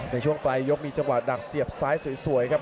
ในช่วงปลายยกมีจังหวะดักเสียบซ้ายสวยครับ